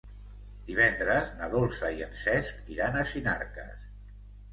Divendres na Dolça i en Cesc iran a Sinarques.